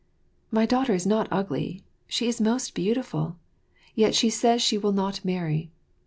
My daughter is not ugly, she is most beautiful; yet she says she will not marry.